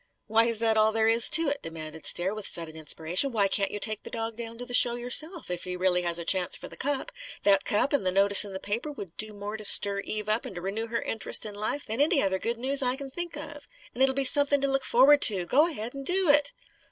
"Why is that all there is to it?" demanded Stair with sudden inspiration. "Why can't you take the dog down to the show yourself, if he really has a chance for the cup? That cup, and the notice in the paper, would do more to stir Eve up and to renew her interest in life than any other good news I can think of. And it'll be something to look forward to. Go ahead and do it!"